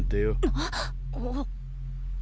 あっ。